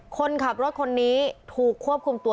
คนขับรถคนนี้ถูกควบคุมตัว